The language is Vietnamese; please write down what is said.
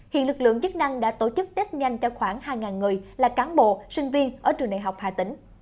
hiện lực lượng chức năng đã tổ chức tết nhanh cho khoảng hai người là cán bộ sinh viên ở trường đại học hà tĩnh